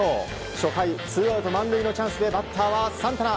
初回ツーアウト満塁のチャンスでバッターはサンタナ。